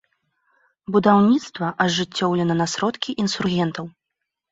Будаўніцтва ажыццёўлена на сродкі інсургентаў.